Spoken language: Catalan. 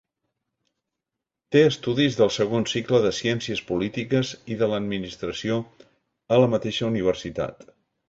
Té estudis del segon cicle de Ciències Polítiques i de l'Administració a la mateixa universitat.